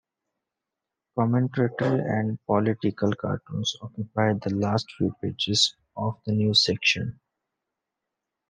Commentary and political cartoons occupy the last few pages of the News section.